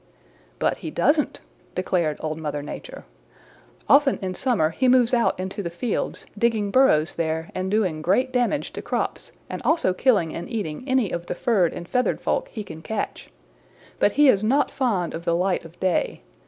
"But he doesn't," declared Old Mother Nature. "Often in summer he moves out into the fields, digging burrows there and doing great damage to crops and also killing and eating any of the furred and feathered folk he can catch. But he is not fond of the light of day.